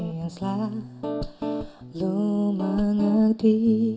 yang selalu mengerti